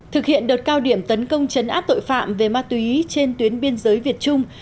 thực hiện đợt cao điểm tấn công chấn áp tội phạm về ma túy trên tuyến biên giới việt trung